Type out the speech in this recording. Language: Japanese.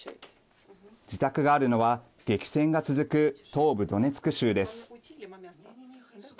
自宅があるのは激戦が続く東部ドネツク州です。